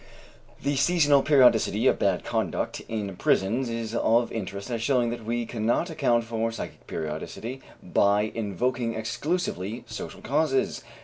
The seasonal periodicity of bad conduct in prisons is of interest as showing that we cannot account for psychic periodicity by invoking exclusively social causes.